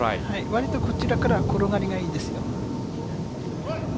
わりとこちらからは転がりがいいですよ。